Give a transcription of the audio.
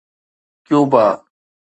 Cuba